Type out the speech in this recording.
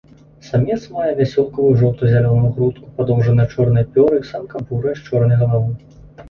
Самец мае вясёлкавую жоўта-зялёную грудку, падоўжаныя чорныя пёры, самка бурая, з чорнай галавой.